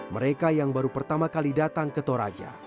mereka yang baru pertama kali datang ke toraja